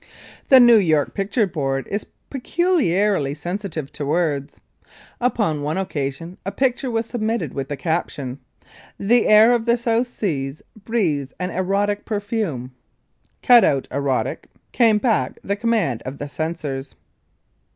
The New York picture board is peculiarly sensitive to words. Upon one occasion a picture was submitted with the caption, "The air of the South Seas breathes an erotic perfume." "Cut out 'erotic,'" came back the command of the censors.